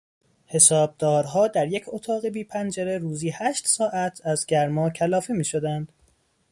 حسابدارها در یک اتاق بی پنجره روزی هشت ساعت از گرما کلافه میشدند.